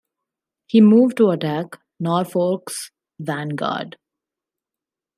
He moved to attack Norfolk's vanguard.